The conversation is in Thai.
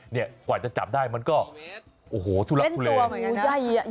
นี่กว่าจะจับได้มันก็โอ้โหทุลักษณ์เลยนะครับเล่นตัวเหมือนกันนะ